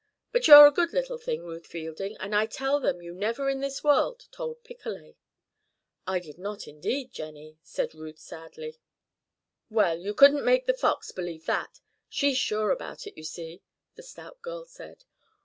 But you're a good little thing, Ruth Fielding, and I tell them you never in this world told Picolet." "I did not indeed, Jennie," said Ruth, sadly. "Well, you couldn't make The Fox believe that. She's sure about it, you see," the stout girl said.